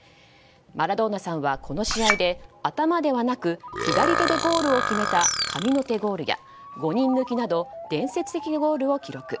マラドーナさんはこの試合で頭ではなく左手でゴールを決めた神の手ゴールや５人抜きなど伝説的なゴールを記録。